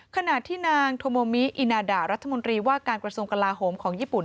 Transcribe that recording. ขณะที่นางโทโมมิอินาดารัฐมนตรีว่าการกระทรวงกลาโหมของญี่ปุ่น